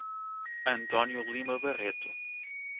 Antônio Lima Barreto